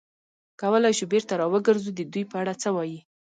کولای شو بېرته را وګرځو، د دوی په اړه څه وایې؟